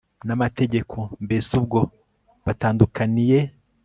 n'amategeko? mbese ubwo batandukaniye